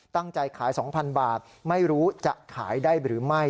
ตั้งใจขาย๒๐๐๐บาทไม่รู้จะขายได้หรือไม่